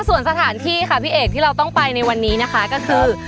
วันนี้เราต้องไปนะคะคือ